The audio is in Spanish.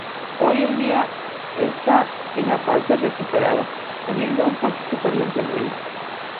Hoy en día está en parte recuperado, habiendo aún partes totalmente en ruinas.